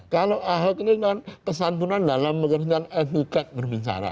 kalau ahok ini kan kesantunan dalam menggunakan etiket berbicara